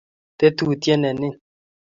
tetutiet ne nin